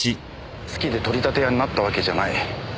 好きで取り立て屋になったわけじゃない。